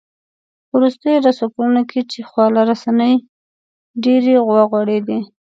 په وروستیو لسو کلونو کې چې خواله رسنۍ ډېرې وغوړېدې